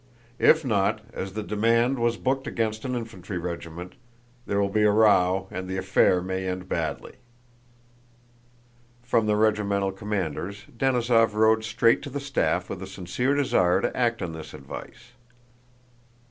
If not, as the demand was booked against an infantry regiment, there will be a row and the affair may end badly." From the regimental commander's, Denísov rode straight to the staff with a sincere desire to act on this advice.